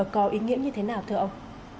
có ý nghĩa như thế nào thưa ông